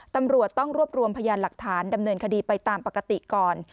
ตำรวจต้องรวบรวมพยานหลักฐานดำเนินคดีไปตามปกติก่อน